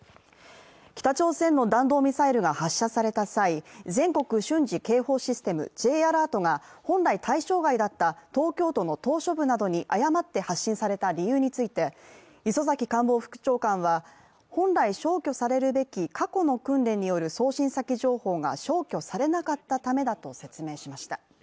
北朝鮮の弾道ミサイルが発射された際全国瞬時警報システム＝Ｊアラートが本来対象外だった東京都の島しょ部などに誤って発信された理由について、磯崎官房副長官は本来消去されるべき過去の訓練による送信先情報が消去されなかったためだと説明しました。